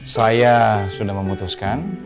saya sudah memutuskan